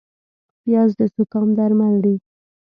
پیاز د زکام درمل دی